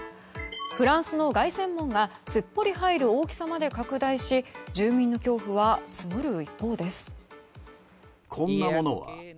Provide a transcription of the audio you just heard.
フランスの凱旋門がすっぽり入る大きさまで拡大し住民の恐怖は募る一方です。